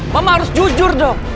mama harus jujur dok